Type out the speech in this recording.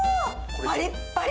パリッパリ！